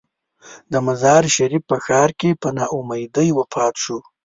د مزار شریف په ښار کې په نا امیدۍ وفات شو.